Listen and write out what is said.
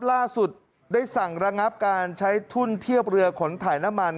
ล่าสุดได้สั่งระงับการใช้ทุ่นเทียบเรือขนถ่ายน้ำมัน